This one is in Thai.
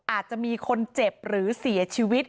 อาจจะมีคนเจ็บหรือเสียชีวิต